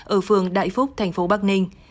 ở phường đại phúc thành phố bắc ninh